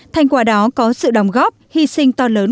thành quả đó có sự đồng góp hy sinh to lớn